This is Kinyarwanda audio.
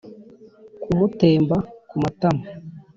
ku mutemba ku matama